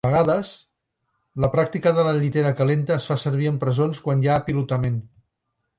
A vegades, la pràctica de la llitera calenta es fa servir en presons quan hi ha apilotament.